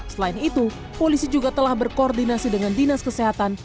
selain itu polisi juga telah berkoordinasi dengan dinas kesehatan